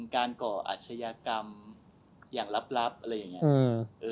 ก่ออาชญากรรมอย่างลับอะไรอย่างนี้